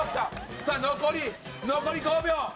さあ残り残り５秒。